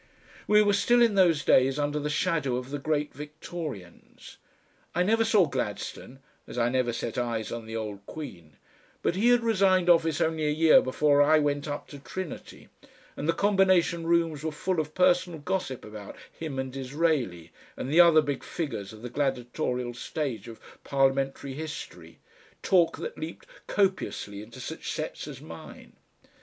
We were still in those days under the shadow of the great Victorians. I never saw Gladstone (as I never set eyes on the old Queen), but he had resigned office only a year before I went up to Trinity, and the Combination Rooms were full of personal gossip about him and Disraeli and the other big figures of the gladiatorial stage of Parlimentary history, talk that leaked copiously into such sets as mine.